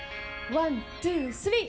ワン・ツー・スリー！